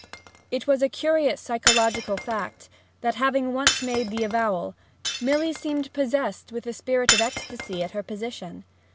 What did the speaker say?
It was a curious psychological fact that, having once made the avowal, Milly seemed possessed with a spirit of ecstasy at her position.